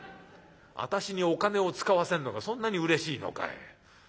私にお金を使わせるのがそんなにうれしいのかい。